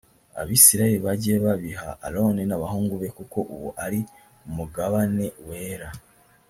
abisirayeli bajye babiha aroni n’abahungu be kuko uwo ari umugabane wera